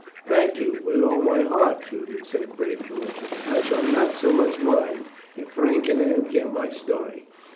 "Thank you, with all my heart," Julian said gratefully. "I shall not so much mind, if Frank and Aunt get my story.